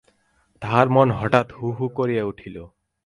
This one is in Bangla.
তাহার মন হঠাৎ হু-হু করিয়া উঠিল।